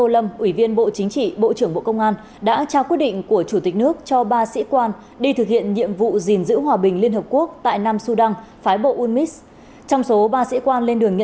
là một chiến sĩ của cục an ninh đối ngoại